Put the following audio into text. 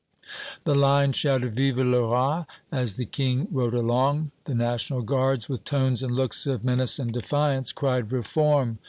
The Line shouted "Vive le Roi!" as the King rode along. The National Guards, with tones and looks of menace and defiance, cried "Reform!"